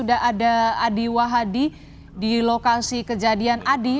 ada adi wahadi di lokasi kejadian adi